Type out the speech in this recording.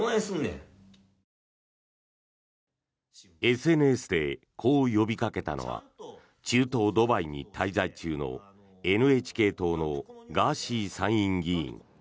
ＳＮＳでこう呼びかけたのは中東ドバイに滞在中のＮＨＫ党のガーシー参院議員。